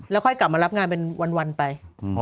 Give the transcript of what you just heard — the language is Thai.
ค่อยกลับมารับงานเป็นวันไป